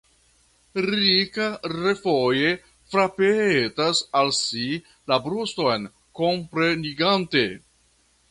Rika refoje frapetas al si la bruston komprenigante.